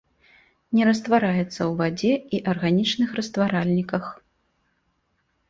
Не раствараецца ў вадзе і арганічных растваральніках.